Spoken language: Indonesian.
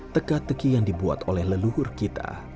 teka teki yang dibuat oleh leluhur kita